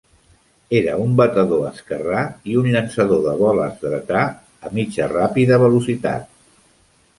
Era un batedor esquerrà i un llançador de boles dretà a mitja-ràpida velocitat.